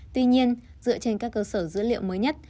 tuy nhiên dựa trên các cơ sở dữ liệu mới nhất